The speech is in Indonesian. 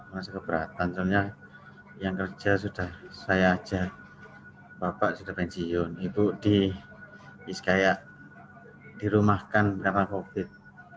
masih keberatan soalnya yang kerja sudah saya ajak bapak sudah pensiun ibu di iskaya dirumahkan karena covid